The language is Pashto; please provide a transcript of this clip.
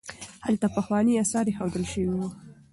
هلته پخواني اثار ایښودل شوي وو.